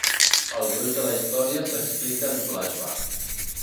El gruix de la història s'explica en flashback.